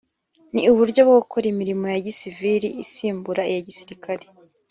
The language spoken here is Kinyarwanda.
ni uburyo bwo gukora imirimo ya gisivili isimbura iya gisirikare